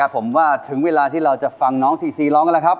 ผมว่าถึงเวลาที่เราจะฟังน้องซีซีร้องกันแล้วครับ